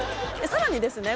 さらにですね